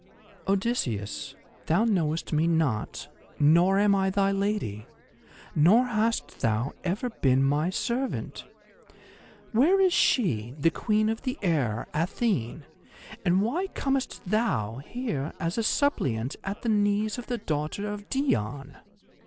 "Odysseus, thou knowest me not, nor am I thy lady, nor hast thou ever been my servant! Where is she, the Queen of the Air, Athene, and why comest thou here as a suppliant at the knees of the daughter of Dione?"